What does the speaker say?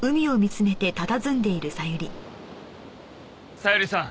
小百合さん。